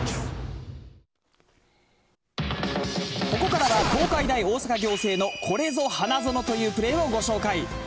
ここからは東海大大阪仰星のこれぞ花園というプレーをご紹介。